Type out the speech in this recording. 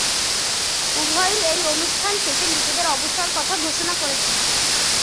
উভয়েই এই অনুষ্ঠানের শেষে নিজেদের অবসর কথা ঘোষণা করেছেন।